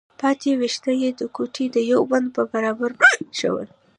پاتې ويښته يې د ګوتې د يوه بند په برابر پرېښوول.